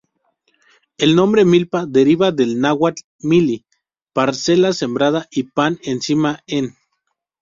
El nombre milpa deriva del náhuatl "milli", parcela sembrada, y "pan", encima, en.